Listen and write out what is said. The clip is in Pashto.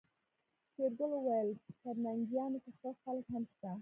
شېرګل وويل پرنګيانو کې ښه خلک هم شته.